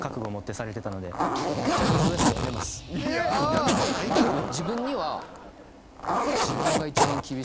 辞めてないからな。